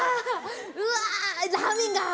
うわ！